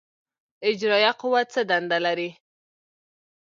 اجرائیه قوه څه دنده لري؟